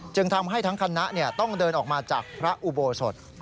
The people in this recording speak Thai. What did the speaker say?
จึงทำให้ทั้งคณะต้องเดินออกมาจากพระอุโบสถ